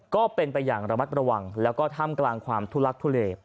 ก็เป็นไปอย่างระมัดระวังแล้วก็ท่ามกลางความทุลักทุเล